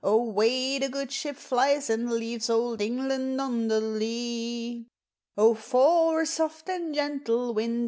Away the good ship flies, and leaves Old England on the lee. O for a soft and gentle wind!